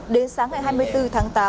đến sáng ngày hai mươi bốn tháng tám